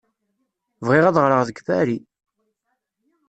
Bɣiɣ ad ɣreɣ deg Paris!